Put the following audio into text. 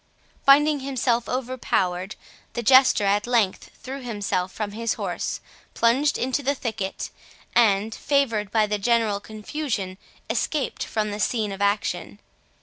Finding himself overpowered, the Jester at length threw himself from his horse, plunged into the thicket, and, favoured by the general confusion, escaped from the scene of action.